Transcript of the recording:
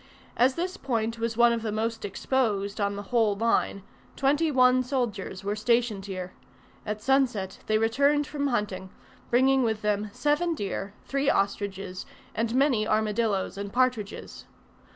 As this point was the most exposed on the whole line, twenty one soldiers were stationed here; at sunset they returned from hunting, bringing with them seven deer, three ostriches, and many armadilloes and partridges.